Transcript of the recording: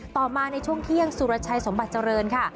ต่อมาในช่วงเที่ยงสุรชัยสมบัติเจริญค่ะ